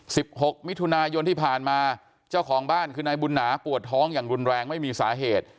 หกมิถุนายนที่ผ่านมาเจ้าของบ้านคือนายบุญหนาปวดท้องอย่างรุนแรงไม่มีสาเหตุ